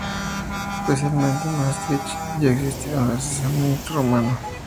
Especialmente en Maastricht, ya existía un asentamiento romano.